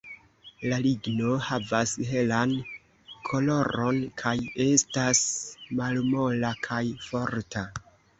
La ligno havas helan koloron, kaj estas malmola kaj forta.